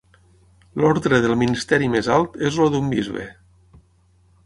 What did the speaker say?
L'ordre del ministeri més alt és el d'un bisbe.